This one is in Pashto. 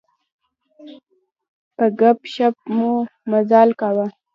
په ګپ شپ مو مزال کاوه.